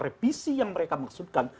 revisi yang mereka maksudkan